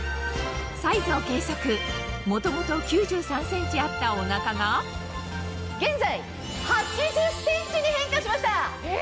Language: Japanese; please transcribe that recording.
サイズを計測元々９３ｃｍあったお腹が現在８０ｃｍに変化しました。